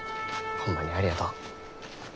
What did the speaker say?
ホンマにありがとう。